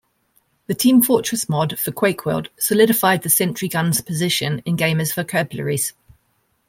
The "Team Fortress" mod for "QuakeWorld" solidified the sentry gun's position in gamers' vocabularies.